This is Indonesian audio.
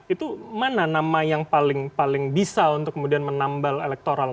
itu mana nama yang paling bisa untuk kemudian menambal elektoral